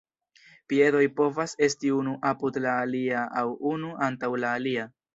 Piedoj povas esti unu apud la alia aŭ unu antaŭ la alia.